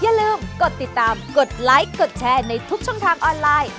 อย่าลืมกดติดตามกดไลค์กดแชร์ในทุกช่องทางออนไลน์